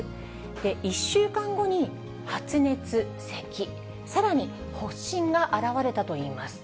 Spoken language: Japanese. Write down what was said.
１週間後に発熱、せき、さらに発疹が現れたといいます。